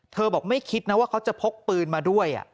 บอกไม่คิดนะว่าเขาจะพกปืนมาด้วย